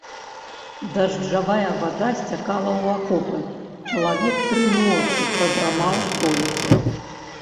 Дажджавая вада сцякала ў акопы, чалавек тры ночы прадрамаў стоячы.